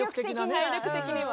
体力的には。